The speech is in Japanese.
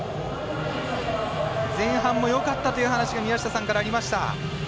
前半もよかったという話が宮下さんからありました。